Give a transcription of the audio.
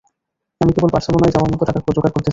আমি কেবল বার্সেলোনায় যাওয়ার মতো টাকা জোগাড় করতে চাই।